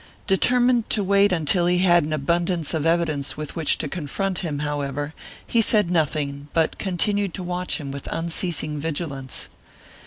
Determined to wait until he had abundance of evidence with which to confront him, however, he said nothing, but continued to watch him with unceasing vigilance.